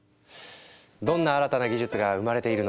どんな新たな技術が生まれているのか？